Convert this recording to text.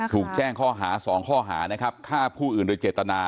ถูกแจ้งข้อหา๒ข้อหานะครับฆ่าผู้อื่นโดยเจตนา